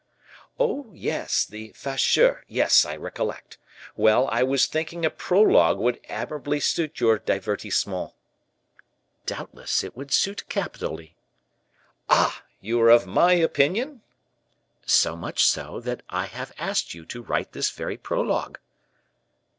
'" "Ah, yes, the 'Facheux;' yes, I recollect. Well, I was thinking a prologue would admirably suit your divertissement." "Doubtless it would suit capitally." "Ah! you are of my opinion?" "So much so, that I have asked you to write this very prologue."